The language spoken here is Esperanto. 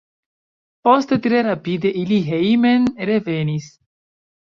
Poste tre rapide ili hejmen revenis.